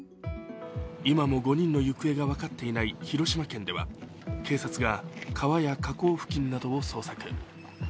今も５人の行方が分かっていない広島県では警察が川や河口付近などを捜索。